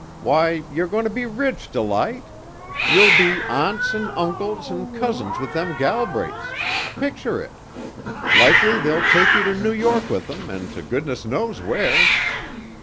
Why, you're goin' to be rich, Delight! You'll be aunts, an' uncles, an' cousins with them Galbraiths picture it! Likely they'll take you to New York with 'em an' to goodness knows where!"